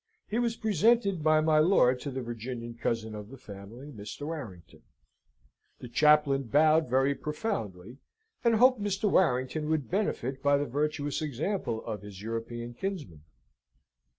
He was presented by my lord to the Virginian cousin of the family, Mr. Warrington: the chaplain bowed very profoundly, and hoped Mr. Warrington would benefit by the virtuous example of his European kinsmen.